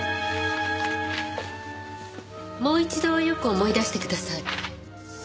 もう一度よく思い出してください。